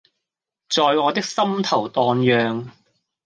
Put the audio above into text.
在我的心頭蕩漾